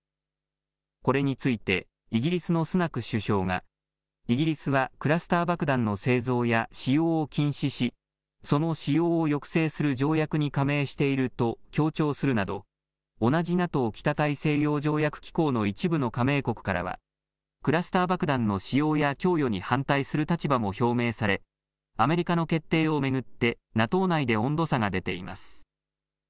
これについて、イギリスのスナク首相が、イギリスはクラスター爆弾の製造や使用を禁止し、その使用を抑制する条約に加盟していると強調するなど、同じＮＡＴＯ・北大西洋条約機構の一部の加盟国からは、クラスター爆弾の使用や供与に反対する立場も表明され、アメリカの決定を巡って、ＮＡＴＯ内で温度差が出ています。